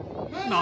何？